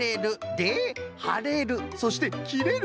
で「はれる」そして「きれる」。